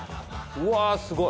うわすごい！